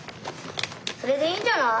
それでいいんじゃない？